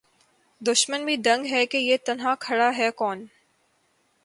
دُشمن بھی دنگ ہے کہ یہ تنہا کھڑا ہے کون